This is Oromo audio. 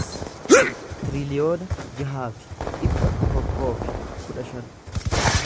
tiriliyoona jaha fi dhibba tokkoo fi kudha shan